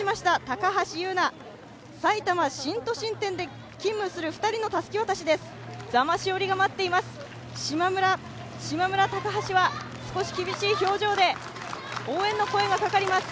高橋優菜、さいたま新都心店で勤務する２人のたすき渡しです。